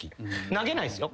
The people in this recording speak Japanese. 投げないですよ？